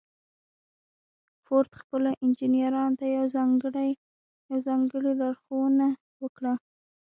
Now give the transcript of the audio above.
فورډ خپلو انجنيرانو ته يوه ځانګړې لارښوونه وکړه.